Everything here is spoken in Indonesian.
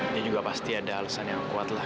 dia juga pasti ada alasan yang kuat lah